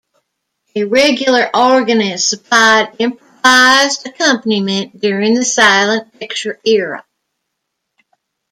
A regular organist supplied improvised accompaniment during the silent picture era.